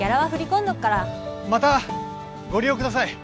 またご利用ください。